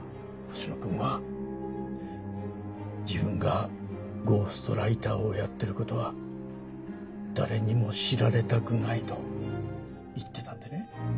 星野くんは自分がゴーストライターをやってる事は誰にも知られたくないと言ってたんでね。